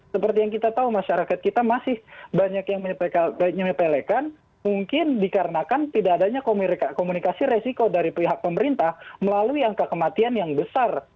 seperti yang kita tahu masyarakat kita masih banyak yang menyepelekan mungkin dikarenakan tidak adanya komunikasi resiko dari pihak pemerintah melalui angka kematian yang besar